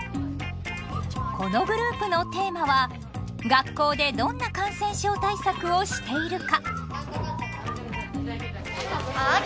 このグループのテーマは「学校でどんな感染症対策をしているか」。